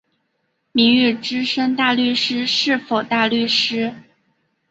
名誉资深大律师是否大律师？